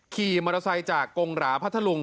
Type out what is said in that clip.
ขี่มอเตอร์ไซค์จากกงหราพัทธลุง